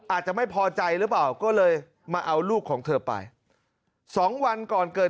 อาจจะไม่พอใจหรือเปล่าก็เลยมาเอาลูกของเธอไป